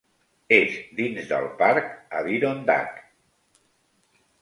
És dins del parc Adirondack.